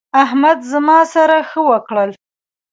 احمد زما سره ښه وکړل.